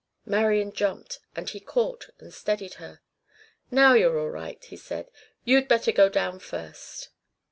Marian jumped, and he caught and steadied her. "Now you're all right," he said. "You'd better go down first."